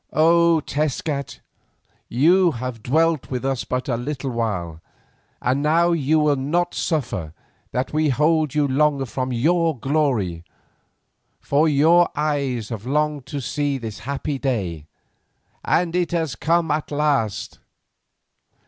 O Tezcat, you have dwelt with us but a little while, and now you will not suffer that we hold you longer from your glory, for your eyes have longed to see this happy day, and it is come at last.